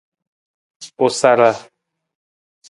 U sara.